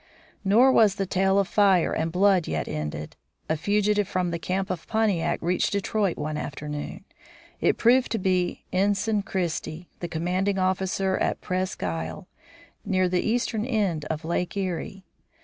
Nor was the tale of fire and blood yet ended. A fugitive from the camp of Pontiac reached Detroit one afternoon. It proved to be Ensign Christie, the commanding officer at Presqu' Isle, near the eastern end of Lake Erie.